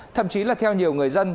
thậm chí là theo nhiều người dân